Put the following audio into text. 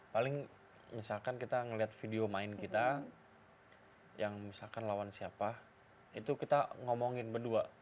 paling misalkan kita ngeliat video main kita yang misalkan lawan siapa itu kita ngomongin berdua